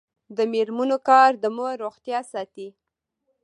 د میرمنو کار د مور روغتیا ساتي.